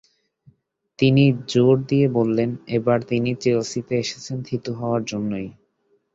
তিনি জোর দিয়ে বললেন, এবার তিনি চেলসিতে এসেছেন থিতু হওয়ার জন্যই।